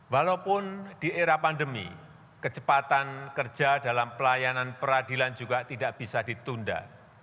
walaupun di era pandemi kecepatan kerja dalam pelayanan peradilan juga tidak bisa ditunda